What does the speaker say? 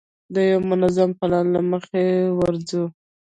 د یوه منظم پلان له مخې ورځو.